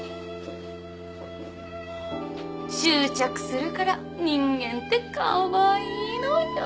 執着するから人間ってカワイイのよ。